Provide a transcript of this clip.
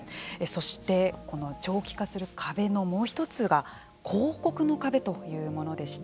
そして、この長期化する壁のもう一つが抗告の壁というものでした。